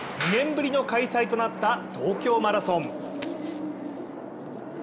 ２年ぶりの開催となった東京マラソン。